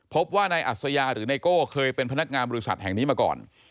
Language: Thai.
พบว่านายอัศยาหรือไนโก้เคยเป็นพนักงานบริษัทแห่งนี้มาก่อน